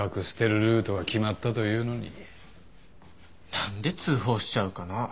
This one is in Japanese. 何で通報しちゃうかなぁ？